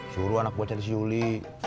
suruh anak gue cari si yuli